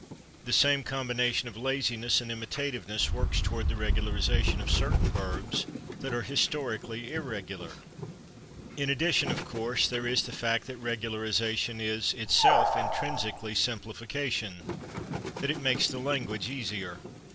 The same combination of laziness and imitativeness works toward the regularization of certain verbs that are historically irregular. In addition, of course, there is the fact that regularization is itself intrinsically simplification that it makes the language easier.